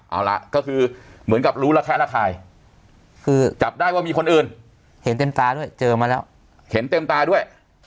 เอาล่ะก็คือเหมือนกับรู้ละแคละทาย